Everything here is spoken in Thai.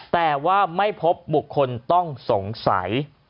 แต่ว่าไม่พบบุคคลต้องสงสัย